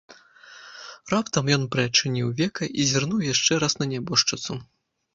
Раптам ён прыадчыніў века і зірнуў яшчэ раз на нябожчыцу.